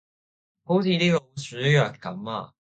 好似啲老鼠藥咁呀